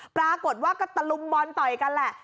ปรากฏว่าก็ตะลุมบอลต่อยกันแหละ